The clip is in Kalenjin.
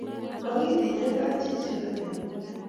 Makitike kaat chichil akeam